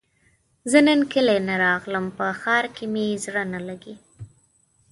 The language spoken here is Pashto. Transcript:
زۀ نن کلي نه راغلم په ښار کې مې زړه نه لګي